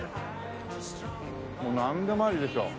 もうなんでもありでしょ。